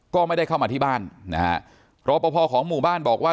ก็ไม่ได้เข้ามาที่บ้านนะฮะรอปภของหมู่บ้านบอกว่า